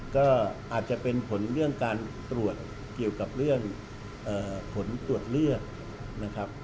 ก็อาจจะเป็นผลเรื่องการตรวจเกี่ยวกับเรื่องผลตรวจเลือดนะครับ